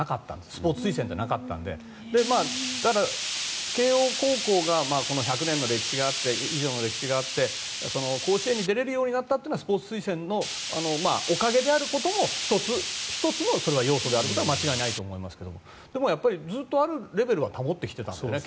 スポーツ推薦ってなかったので慶応高校が１００年以上の歴史があって甲子園に出られるようになったのはスポーツ推薦のおかげであることも１つのそれは要素であることは間違いないと思いますがでもずっとあるレベルは保ってきましたからね。